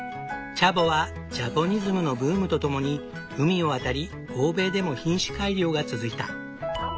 チャボはジャポニズムのブームとともに海を渡り欧米でも品種改良が続いた。